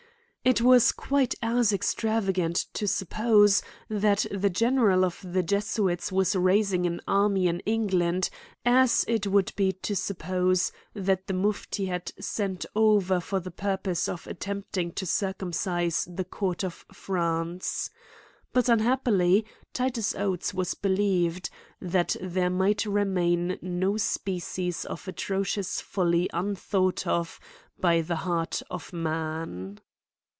— It was (juit e as extravagant to suppose, that the general of the Jesuits was raising an army in England, as it would be to suppose, that the muphti had sent over for the purpose of at tempting to circumcise the court of France. But, unhappily, Titus Oates was believed ; that there might remain no species of atrocious folly unthought of by the heart of man.